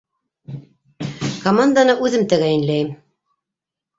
Команданы үҙем тәғәйенләйем.